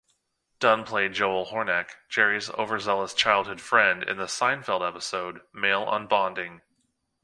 Dunn played Joel Horneck, Jerry's overzealous childhood friend, in the "Seinfeld" episode "Male Unbonding".